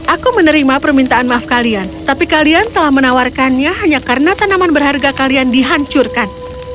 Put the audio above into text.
aku menerima permintaan maaf kalian tapi kalian telah menawarkannya hanya karena tanaman berharga kalian dihancurkan